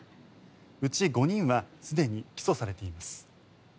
うち５人はすでに起訴されています。